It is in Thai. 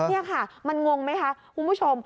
นี่ค่ะมันงงไหมคะคุณผู้ชม